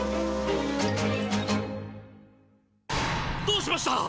どうしました！？